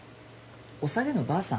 おさげのばあさん？